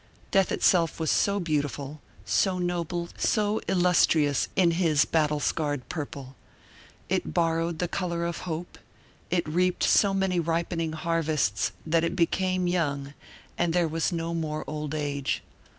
Death itself was so beautiful, so noble, so illustrious, in his battle scarred purple! It borrowed the color of hope, it reaped so many ripening harvests that it became young, and there was no more old age.